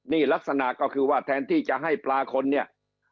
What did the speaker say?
นี่ลักษณะก็คือว่าแทนที่จะให้ปลาคนเนี่ย